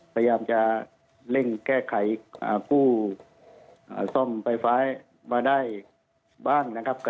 พยายามจะเร่งแก้ไขกู้ซ่อมไฟฟ้ามาได้บ้างนะครับ